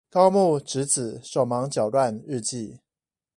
高木直子手忙腳亂日記